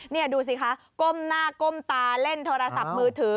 นี่ดูสิคะก้มหน้าก้มตาเล่นโทรศัพท์มือถือ